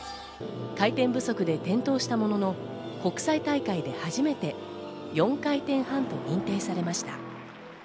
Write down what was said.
回転不足で転倒したものの、国際大会で初めて４回転半と認定されました。